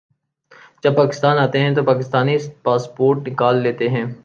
جب پاکستان آتے ہیں تو پاکستانی پاسپورٹ نکال لیتے ہیں